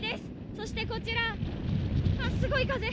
そして、こちらすごい風。